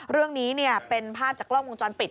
เรื่องนี้เป็นภาพจากกล้องวงจรปิด